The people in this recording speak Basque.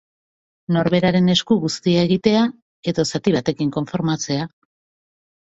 Norberaren esku guztia egitea, edo zati batekin konformatzea.